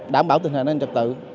đảm bảo tình hình an ninh trật tự